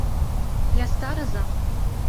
— Ястарыза...